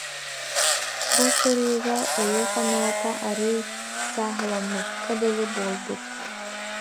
Бу сырыыга өйө-санаата арыый сааһыламмыкка дылы буолбут